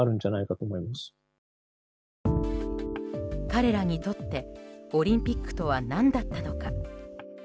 彼らにとってオリンピックとは何だったのか。